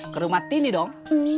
ke rumah tini dong